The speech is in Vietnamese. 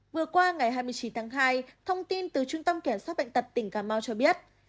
vừa qua ngày hai mươi chín tháng hai thông tin từ trung tâm kiểm soát bệnh tật tỉnh cà mau cho biết